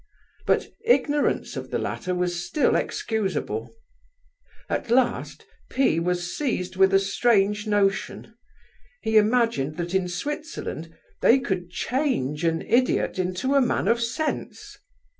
But ignorance of the latter was still excusable. At last P—— was seized with a strange notion; he imagined that in Switzerland they could change an idiot into a man of sense.